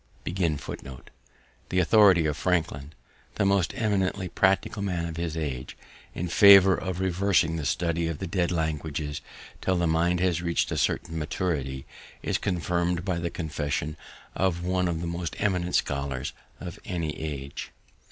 "The authority of Franklin, the most eminently practical man of his age, in favor of reserving the study of the dead languages until the mind has reached a certain maturity, is confirmed by the confession of one of the most eminent scholars of any age.